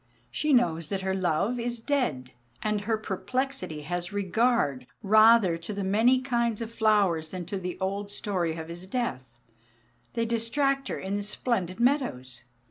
She knows that her love is dead, and her perplexity has regard rather to the many kinds of flowers than to the old story of his death; they distract her in the splendid meadows.